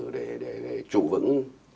để trụ vững